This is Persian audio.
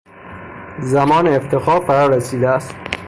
زمان افتخار فرا رسیده است.